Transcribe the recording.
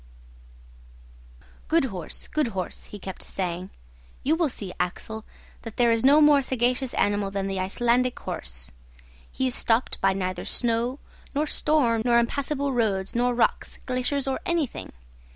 "Good horse! good horse!" he kept saying. "You will see, Axel, that there is no more sagacious animal than the Icelandic horse. He is stopped by neither snow, nor storm, nor impassable roads, nor rocks, glaciers, or anything.